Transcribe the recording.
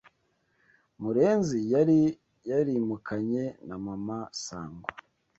murenzi yari yarimukanye na Mama Sangwa